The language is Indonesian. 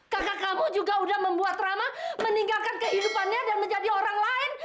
kakak kamu juga udah membuat ramah meninggalkan kehidupannya dan menjadi orang lain